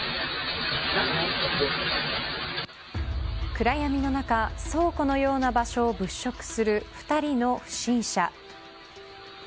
暗闇の中倉庫のような場所を物色する２人の不審者。